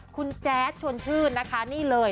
คุณแจ๊ดชวนชื่นนะคะนี่เลย